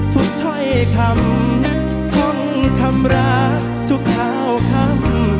ทุกถ้อยคำท่องคำราทุกเท้าคำ